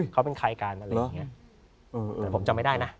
เขาเป็นใครกันอะไรอย่างเงี้ยแต่ผมจำไม่ได้นะ